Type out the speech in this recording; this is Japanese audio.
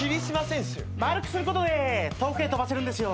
丸くすることで遠くへ飛ばせるんですよ。